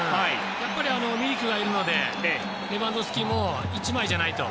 やっぱりミリクがいるのでレバンドフスキも１枚じゃないと。